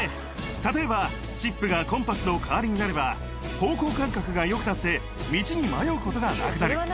例えば、チップがコンパスの代わりになれば、方向感覚がよくなって、道に迷うことがなくなる。